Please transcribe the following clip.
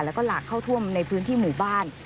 แล้วก็หลากเข้าท่วมในพื้นที่หมู่บ้าน